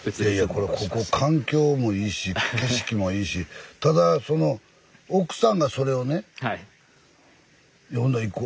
ここ環境もいいし景色もいいしただその奥さんがそれをね「行こ」